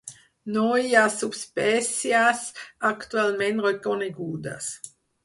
No hi ha subespècies actualment reconegudes.